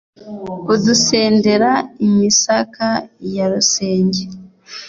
adusendera imisaka ya rusenge